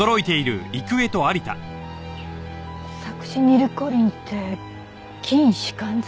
サクシニルコリンって筋弛緩剤。